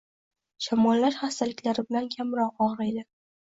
shamollash xastaliklari bilan kamroq og‘riydi.